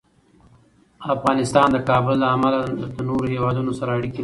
افغانستان د کابل له امله له نورو هېوادونو سره اړیکې لري.